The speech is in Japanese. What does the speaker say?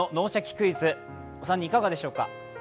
クイズ」、お三人いかがでしょうか？